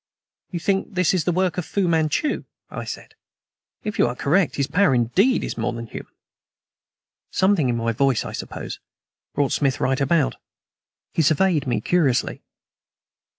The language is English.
"You think this is the work of Fu Manchu?" I said. "If you are correct, his power indeed is more than human." Something in my voice, I suppose, brought Smith right about. He surveyed me curiously.